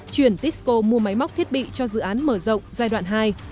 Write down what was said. chuyển tisco mua máy móc thiết bị cho dự án mở rộng giai đoạn hai